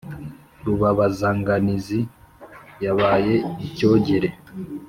Rubabazanganizi, nabaye icyogere,